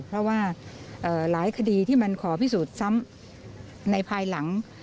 เพราะว่าหลายคดีที่มันขอพิสูจน์ซ้ำในภายหลัง